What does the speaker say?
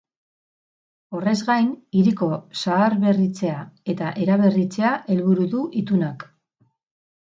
Horrez gain, hiriko zaharberritzea eta eraberritzea helburu du itunak.